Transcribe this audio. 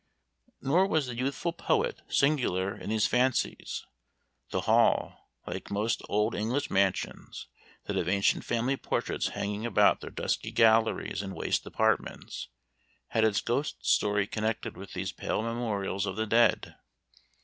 Nor was the youthful poet singular in these fancies; the Hall, like most old English mansions that have ancient family portraits hanging about their dusky galleries and waste apartments, had its ghost story connected with these pale memorials of the dead.